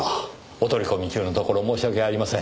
お取り込み中のところ申し訳ありません。